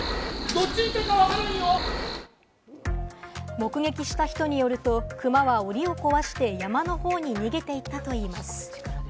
目撃した人によると、クマは檻を壊して山の方に逃げていったといいます。